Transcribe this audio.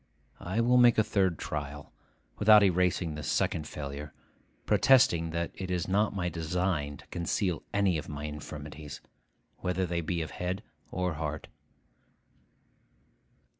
I will make a third trial, without erasing this second failure, protesting that it is not my design to conceal any of my infirmities, whether they be of head or heart.